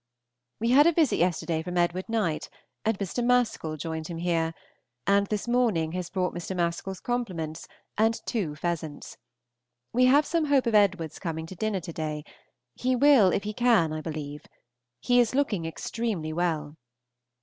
We had a visit yesterday from Edwd. Knight, and Mr. Mascall joined him here; and this morning has brought Mr. Mascall's compliments and two pheasants. We have some hope of Edward's coming to dinner to day; he will, if he can, I believe. He is looking extremely well.